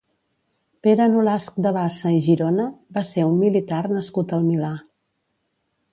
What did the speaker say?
Pere Nolasc de Bassa i Girona va ser un militar nascut al Milà.